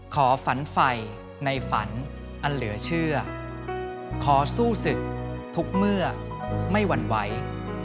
ขอฝันไฟในฝันอันเหลือเชื่อขอสู้ศึกทุกเมื่อไม่หวั่นไหว